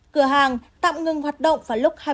cửa hàng tạm ngừng hoạt động vào lúc hai mươi một giờ cùng ngày